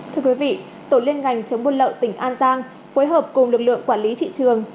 thưa quý vị tổ liên ngành chống buôn lậu tỉnh an giang phối hợp cùng lực lượng quản lý thị trường